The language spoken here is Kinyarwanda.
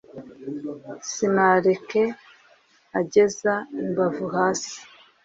sinareke ageza imbavu hasi,